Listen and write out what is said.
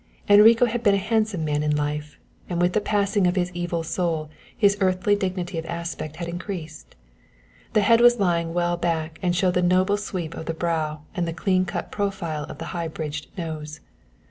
Enrico had been a handsome man in life, and with the passing of his evil soul his earthly dignity of aspect had increased. The head was lying well back and showed the noble sweep of the brow and the clean cut profile of the high bridged nose.